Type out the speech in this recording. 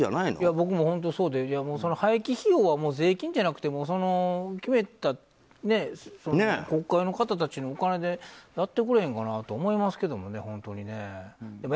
僕も本当にそうで廃棄費用は税金じゃなくて決めた国会の方たちのお金でやってくれへんかなと思いますけどもね、本当に。